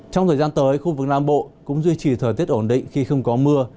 trong thời gian tới khu vực nam bộ cũng duy trì thời tiết ổn định khi không có mưa